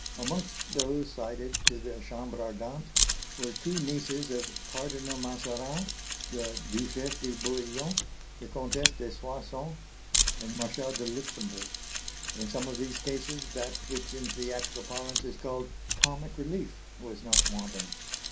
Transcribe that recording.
Amongst those cited to the Chambre Ardente were two nieces of Cardinal Mazarin, the Duchesse de Bouillon, the Comtesse de Soissons, and Marshal de Luxembourg. In some of these cases that which in theatrical parlance is called "comic relief" was not wanting.